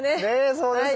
そうです。